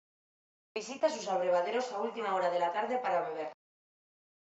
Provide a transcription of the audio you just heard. Visita sus abrevaderos a última hora de la tarde para beber.